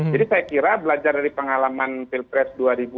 jadi saya kira belajar dari pengalaman pilpres dua ribu sembilan belas